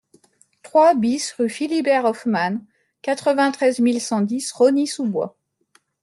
trois BIS rue Philibert Hoffmann, quatre-vingt-treize mille cent dix Rosny-sous-Bois